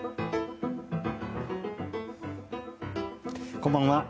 こんばんは。